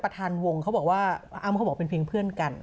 ประธานวงเขาบอกว่าอ้ำเขาบอกเป็นเพียงเพื่อนกัน